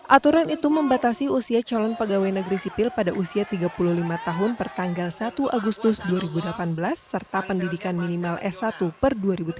aturan itu membatasi usia calon pegawai negeri sipil pada usia tiga puluh lima tahun per tanggal satu agustus dua ribu delapan belas serta pendidikan minimal s satu per dua ribu tujuh belas